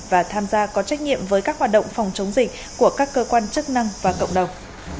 và tham gia có trách nhiệm với các hoạt động phòng chống dịch của các cơ quan chức năng và cộng đồng